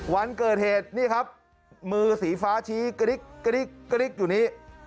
วันเกิดเหตุนี่ครับมือสีฟ้าชี้กระดิ๊กอยู่นี้